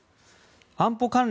安保関連